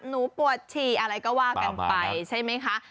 หนูปวดฉี่อะไรก็ว่ากันไปใช่ไหมคะ